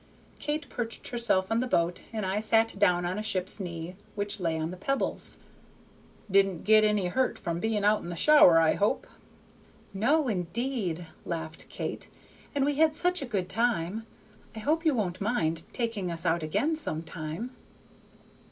Kate perched herself on the boat, and I sat down on a ship's knee which lay on the pebbles. "Didn't get any hurt from being out in the shower, I hope?" "No, indeed," laughed Kate, "and we had such a good time. I hope you won't mind taking us out again some time."